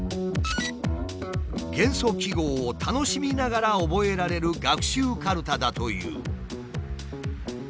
元素記号を楽しみながら覚えられる学習カルタだという。